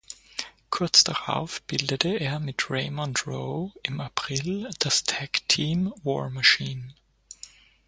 Kurz darauf bildete er mit Raymond Rowe im April das Tag Team War Machine.